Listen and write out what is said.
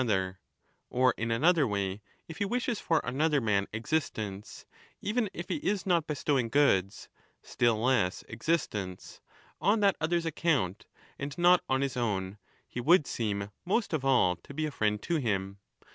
6 1240^ other ; or, in another way, if he wishes for another man existence — even if he is not bestowing goods, still less^ existence — on that other's account and not on his own, he would seem most of all to be a friend to him.